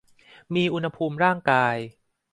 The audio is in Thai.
มีอุณหภูมิร่างกาย